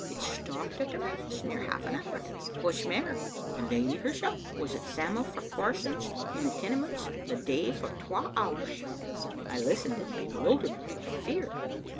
It stopped at the manse near half an hour. What's mair, the lady hersel' was at Sam'l Farquharson's in the Tenements the day for twa hours. " I listened in bewilderment and fear.